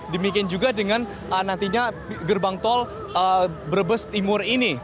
demikian juga dengan nantinya gerbang tol brebes timur ini